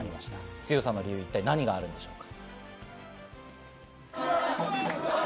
強さの理由、一体何があるのでしょうか。